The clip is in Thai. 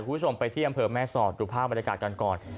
คุณผู้ชมไปที่อำเภอแม่สอดดูภาพบรรยากาศกันก่อน